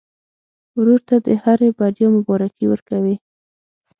ورور ته د هرې بریا مبارکي ورکوې.